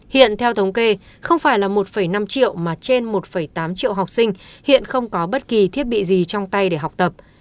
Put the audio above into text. hiện theo thống kê không phải là một năm triệu mà trên một tám triệu học sinh hiện không có bất kỳ thiết bị gì trong tay để học tập